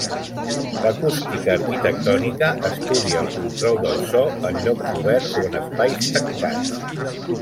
L'acústica arquitectònica estudia el control del so en llocs oberts o en espais tancats.